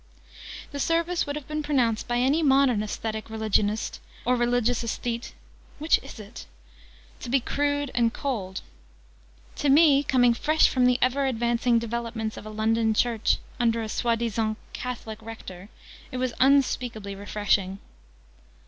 The service would have been pronounced by any modern aesthetic religionist or religious aesthete, which is it? to be crude and cold: to me, coming fresh from the ever advancing developments of a London church under a soi disant 'Catholic' Rector, it was unspeakably refreshing.